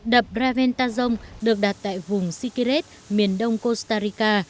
đập reventazong được đặt tại vùng sikiret miền đông costa rica